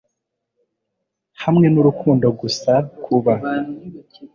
Hamwe nUrukundo gusa kuba